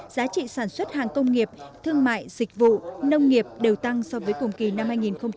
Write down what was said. giá trị sản xuất hàng công nghiệp thương mại dịch vụ nông nghiệp đều tăng so với cùng kỳ năm hai nghìn một mươi tám